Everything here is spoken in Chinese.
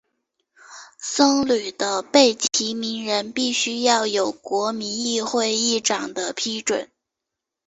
僧侣的被提名人必须要有国民议会议长的批准。